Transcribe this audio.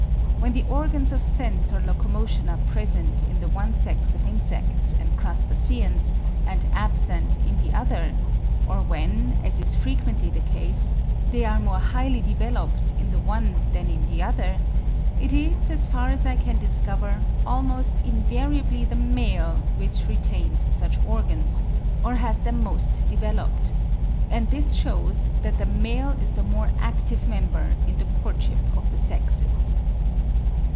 When the organs of sense or locomotion are present in the one sex of insects and crustaceans and absent in the other, or when, as is frequently the case, they are more highly developed in the one than in the other, it is, as far as I can discover, almost invariably the male which retains such organs, or has them most developed; and this shews that the male is the more active member in the courtship of the sexes.